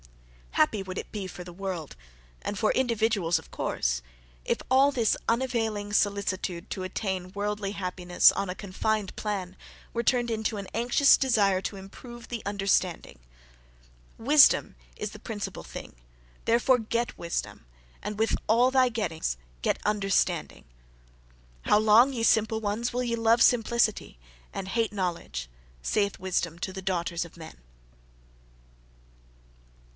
Happy would it be for the world, and for individuals, of course, if all this unavailing solicitude to attain worldly happiness, on a confined plan, were turned into an anxious desire to improve the understanding. "Wisdom is the principal thing: THEREFORE get wisdom; and with all thy gettings get understanding." "How long ye simple ones, will ye love simplicity, and hate knowledge?" Saith Wisdom to the daughters of men!